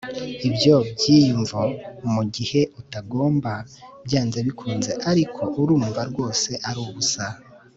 ibyo byiyumvo mugihe utagomba byanze bikunze, ariko urumva rwose ari ubusa